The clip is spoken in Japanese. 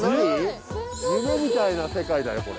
夢みたいな世界だよこれ。